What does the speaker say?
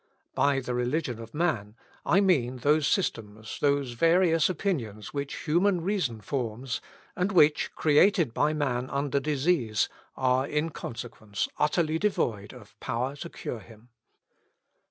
By the religion of man, I mean those systems, those various opinions which human reason forms, and which, created by man under disease, are, in consequence, utterly devoid of power to cure him.